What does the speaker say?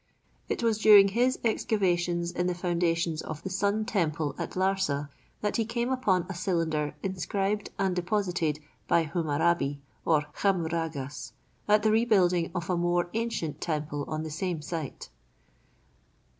It was during his excavations in the foundations of the Sun temple at Larsa that he came upon a cylinder inscribed and deposited by Hammurabi, or Khammuragas, at the rebuilding of a more ancient temple on the same site.